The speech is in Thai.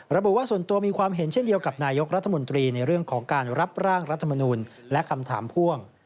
ระบุว่าส่วนตัวมีความเห็นเช่นเดียวกับนายกรัฐมนตรีในเรื่องของการรับร่างรัฐมนูลและคำถามพ่วง